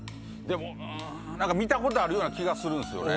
うーん何か見たことあるような気がするんすよね。